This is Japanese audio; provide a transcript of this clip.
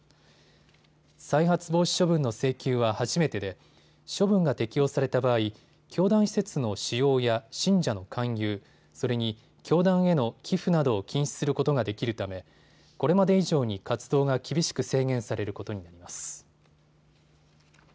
再発防止処分の請求は初めてで処分が適用された場合、教団施設の使用や信者の勧誘、それに教団への寄付などを禁止することができるためこれまで以上に活動が厳しく制限されることになります。